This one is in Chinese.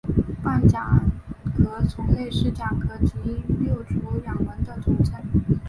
泛甲壳动物是甲壳类及六足亚门的总称。